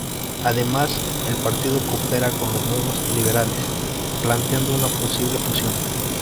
Además, el partido coopera con los Nuevos Liberales, planteando una posible fusión.